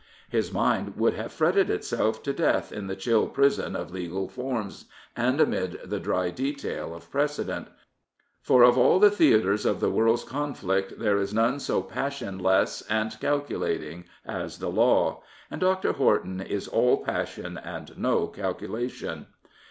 His mind would have fretted itself to death in the chill prison of legal forms and amid the dry detail of precedent. For of all the theatres of the world's conflict there is none so passionless and calculating as the law. And Dr. Horton is aU_passion and no calculation.